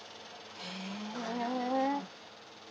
へえ。